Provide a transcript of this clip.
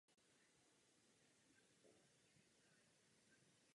Observatoř měla osm hlavních pozorovacích přístrojů a dále několik menších experimentů.